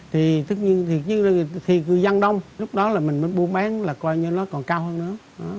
tuy nhiên thì dân đông lúc đó là mình mới buôn bán là coi như nó còn cao hơn nữa